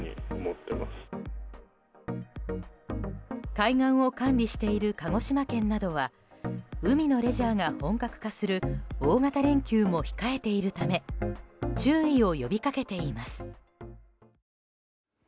海岸を管理している鹿児島県などは海のレジャーが本格化する大型連休も控えているため注意を呼び掛けています。